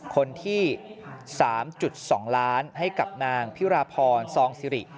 คนที่๓๒ล้านให้กับนางพิราพรซองซิริ